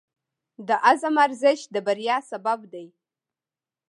د عزم ارزښت د بریا سبب دی.